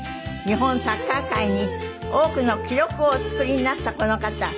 日本サッカー界に多くの記録をお作りになったこの方。